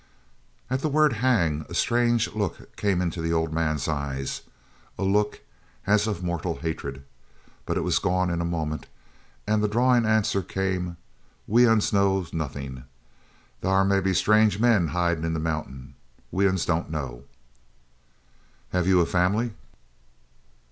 At the word "hang" a strange look came into the old man's eyes, a look as of mortal hatred, but it was gone in a moment, and the drawling answer came, "We uns knows nuthin'; thar may be strange men hidin' in the mountin. We uns don't know." "Have you a family?"